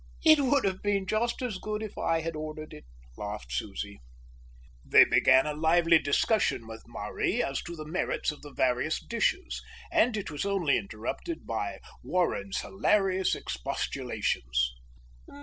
"It would have been just as good if I had ordered it," laughed Susie. They began a lively discussion with Marie as to the merits of the various dishes, and it was only interrupted by Warren's hilarious expostulations.